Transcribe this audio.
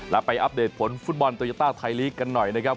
แล้วไปอัปเดตผลฟุตบอลโตยาต้าไทยลีกกันหน่อยนะครับ